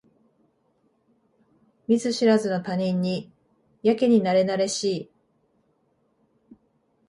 見ず知らずの他人にやけになれなれしい